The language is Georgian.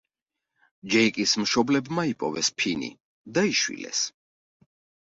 ჯეიკის მშობლებმა იპოვეს ფინი, და იშვილეს.